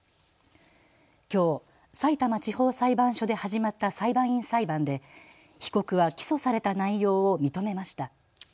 きょう、さいたま地方裁判所で始まった裁判員裁判で被告は起訴された内容を認めました。